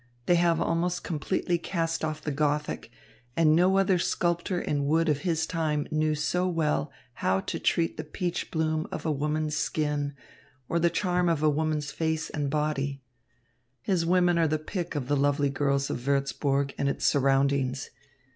They have almost completely cast off the Gothic, and no other sculptor in wood of his time knew so well how to treat the peach bloom of a woman's skin or the charm of a woman's face and body. His women are the pick of the lovely girls of Würzburg and its surroundings.